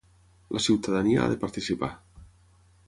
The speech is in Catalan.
La ciutadania ha de participar.